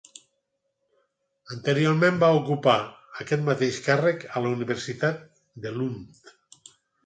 Anteriorment va ocupar aquest mateix càrrec a la Universitat de Lund.